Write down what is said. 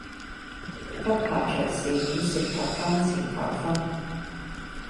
不排除事件涉及金錢糾紛